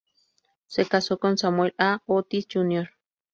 Se casó con Samuel A. Otis Jr.